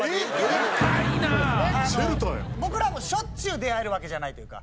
僕らもしょっちゅう出会えるわけじゃないというか。